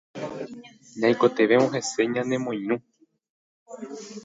Ñaikotevẽvo hese ñanemoirũ